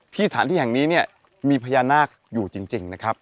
สถานที่แห่งนี้เนี่ยมีพญานาคอยู่จริงนะครับ